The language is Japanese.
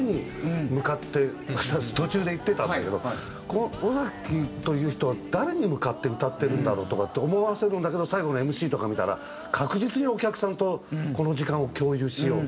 途中で言ってたんだけどこの尾崎という人は誰に向かって歌ってるんだろうとかって思わせるんだけど最後のＭＣとか見たら確実にお客さんとこの時間を共有しよう。